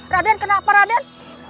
raden kenapa raden